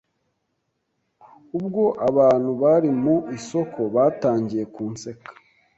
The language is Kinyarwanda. Ubwo abantu bari mu isoko batangiye kunseka,